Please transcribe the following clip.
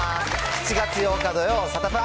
７月８日土曜、サタプラ。